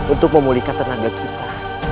untuk memulihkan tenaga kita